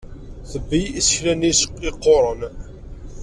Tebbi isekla-nni yeqquren.